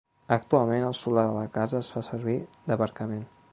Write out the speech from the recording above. Actualment el solar de la casa es fa servir d'aparcament.